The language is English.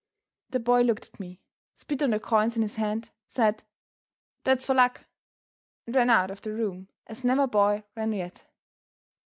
The boy looked at me, spit on the coins in his hand, said, "That's for luck!" and ran out of the room as never boy ran yet.